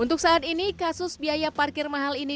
untuk saat ini kasus biaya parkir mahal ini